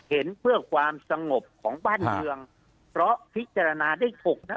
เห็นเพื่อความสงบของบ้านเมืองเพราะพิจารณาได้ถูกนะ